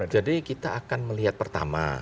jadi kita akan melihat pertama